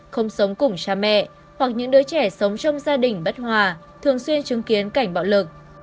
không sống cùng cha mẹ hoặc những đứa trẻ sống trong gia đình bất hòa thường xuyên chứng kiến cảnh bạo lực